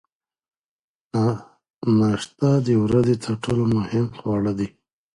ناشته د ورځې تر ټولو مهم خواړه دي.